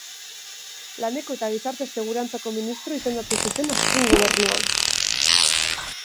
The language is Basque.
Laneko eta Gizarte Segurantzako ministro izendatu zuten azken gobernuan.